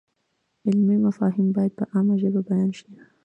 علمي مفاهیم باید په عامه ژبه بیان شي.